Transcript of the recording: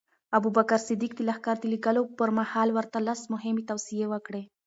ابوبکر صدیق د لښکر د لېږلو پر مهال ورته لس مهمې توصیې وکړې.